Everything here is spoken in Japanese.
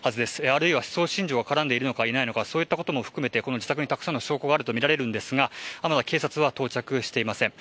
あるいは思想が絡んでいるのかそういったことも含めてこの自宅にたくさんの証拠があるとみられるんですがまだ警察は到着していません。